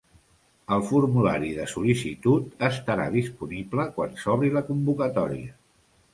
El formulari de sol·licitud estarà disponible quan s'obri la convocatòria.